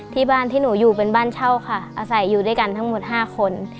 ที่บ้านที่หนูอยู่เป็นบ้านเช่าค่ะอาศัยอยู่ด้วยกันทั้งหมด๕คน